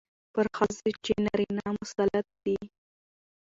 پر ښځو چې نارينه مسلط دي،